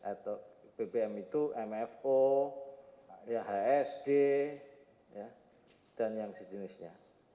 atau bbm itu mfo yahsg dan yang sejenisnya